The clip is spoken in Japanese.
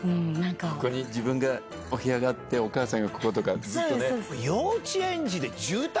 ここに自分のお部屋があってお母さんがここ！とかずっとね。